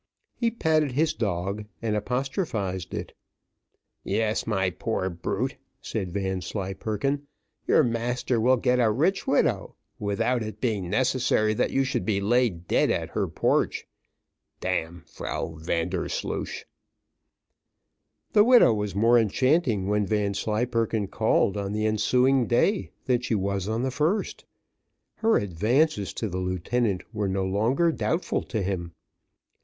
He patted his dog, and apostrophised it. "Yes, my poor brute," said Vanslyperken, "your master will get a rich widow, without it being necessary that you should be laid dead at her porch. D n Frau Vandersloosh." The widow was more enchanting when Vanslyperken called on the ensuing day, than she was on the first. Her advances to the lieutenant were no longer doubtful to him.